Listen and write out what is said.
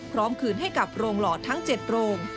คืนให้กับโรงหล่อทั้ง๗โรง